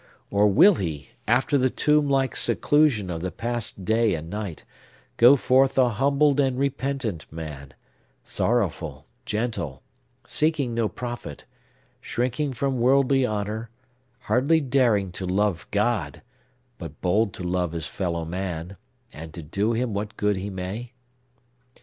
Or will he, after the tomb like seclusion of the past day and night, go forth a humbled and repentant man, sorrowful, gentle, seeking no profit, shrinking from worldly honor, hardly daring to love God, but bold to love his fellow man, and to do him what good he may?